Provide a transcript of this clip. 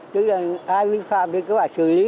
tức là ai vi phạm thì cứ phải xử lý